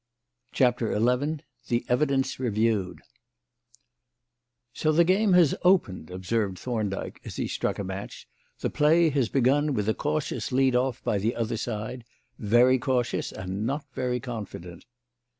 CHAPTER XI THE EVIDENCE REVIEWED "So the game has opened," observed Thorndyke, as he struck a match. "The play has begun with a cautious lead off by the other side. Very cautious, and not very confident."